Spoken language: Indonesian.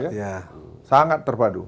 iya sangat terpadu